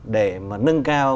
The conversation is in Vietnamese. để mà nâng cao